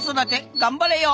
頑張れよ！